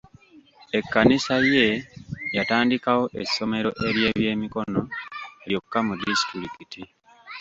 Ekkanisa ye yatandikawo essomero ery'ebyemikono lyokka mu disitulikiti.